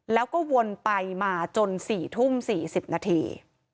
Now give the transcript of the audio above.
แล้วก็วนไปมาจน๔ทุ่ม๔๐นาที